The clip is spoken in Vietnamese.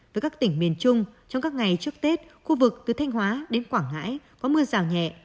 với các tỉnh miền trung trong các ngày trước tết khu vực từ thanh hóa đến quảng ngãi có mưa rào nhẹ